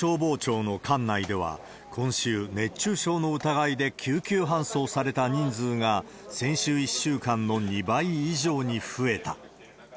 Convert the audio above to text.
東京消防庁の管内では、今週、熱中症の疑いで救急搬送された人数が、先週一週間の２倍以上に増えた。